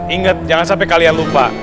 ingat jangan sampai kalian lupa